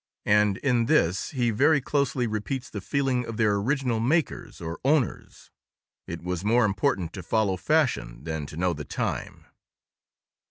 And in this he very closely repeats the feeling of their original makers or owners; it was more important to follow fashion than to know the time.